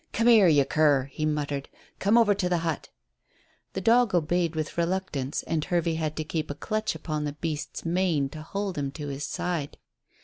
"Come here, you cur," he muttered. "Come over to the hut." The dog obeyed with reluctance, and Hervey had to keep a clutch upon the beast's mane to hold him to his side.